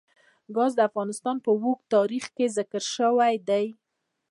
ګاز د افغانستان په اوږده تاریخ کې ذکر شوی دی.